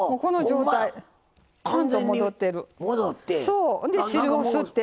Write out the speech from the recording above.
そうで汁を吸ってる。